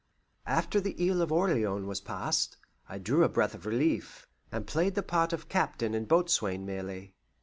After the Isle of Orleans was passed, I drew a breath of relief, and played the part of captain and boatswain merely.